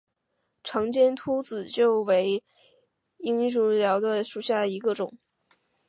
长尖突紫堇为罂粟科紫堇属下的一个种。